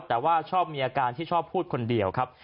แต่ว่าชอบมีอาการที่ชอบพูดคนเดียวครับ